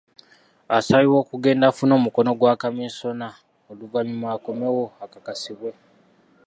Asabibwa okugenda afune omukono gwa kamisona n'oluvannyuma akomewo akakasibwe.